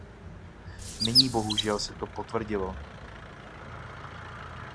Nyní bohužel se to potvrdilo.